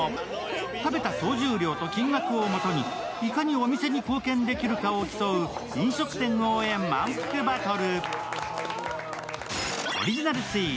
食べた総重量と金額を基に、いかにお店に貢献できるかを競う飲食店応援まんぷくバトル。